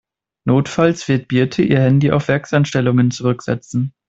Notfalls wird Birte ihr Handy auf Werkseinstellungen zurücksetzen.